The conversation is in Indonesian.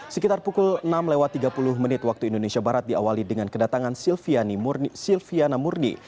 sekitar pukul enam tiga puluh menit waktu indonesia barat diawali dengan kedatangan silviana murni